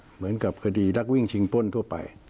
เหมือนกับคดีนักวิ่งชิงป้นทั่วไป